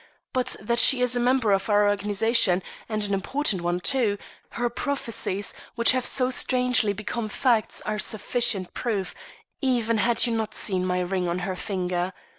But that she is a member of our organization, and an important one, too, her prophecies, which have so strangely become facts, are sufficient proof, even had you not seen my ring on her finger.